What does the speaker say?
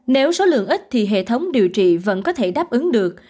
nếu số lượng ít thì hệ thống điều trị vẫn có thể đáp ứng được